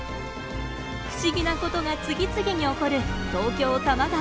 不思議なことが次々に起きる東京多摩川。